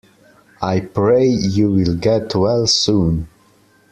I pray you will get well soon.